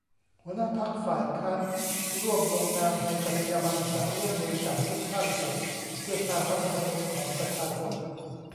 หัวหน้าพรรคฝ่ายค้านร่วมลงนามในสัตยาบันจะร่วมมือกับทุกภาคส่วนเพื่อสร้าง รัฐธรรมนูญ ของประชาชน